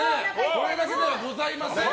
これだけではございません。